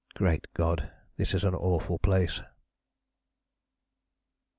Great God! this is an awful place...."